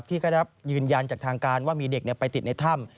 ที่ก็ได้รับยืนยันจากทางการว่ามีเด็กไปติดในถ้ำ